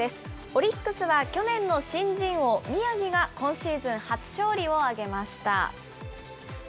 オリックスは、去年の新人王、宮城が今シーズン初勝利を挙げました。